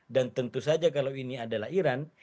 dan tentu saja kalau ini adalah iran